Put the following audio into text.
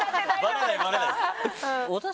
バレないバレないです。